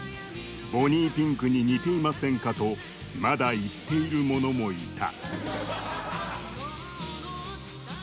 「ボニー・ピンクに似ていませんか」とまだ言っている者もいた